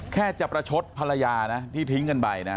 แค่จะประชดภรรยานะที่ทิ้งกันไปนะ